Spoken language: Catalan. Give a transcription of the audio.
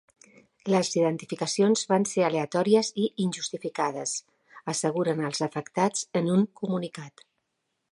“Les identificacions van ser aleatòries i injustificades”, asseguren els afectats en un comunicat.